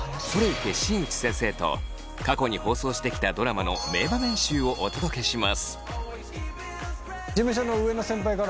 新内先生」と過去に放送してきたドラマの名場面集をお届けします。